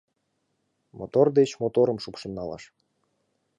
Мотор деч моторым шупшын налаш